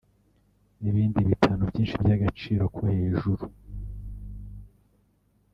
n’ibindi bitnu byinshi by’agaciro ko hejuru